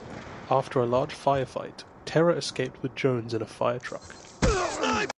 After a large fire fight, Terror escaped with Jones in a firetruck.